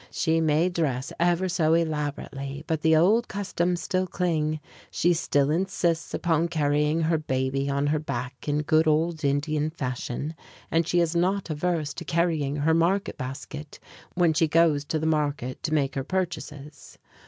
She may dress ever so elaborately, but the old customs still cling; she still insists upon carrying her baby on her back in good old Indian fashion, and she is not averse to carrying her market basket when she goes to the market to make her purchases.